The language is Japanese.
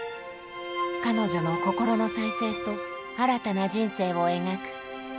彼女の心の再生と新たな人生を描く「群青領域」。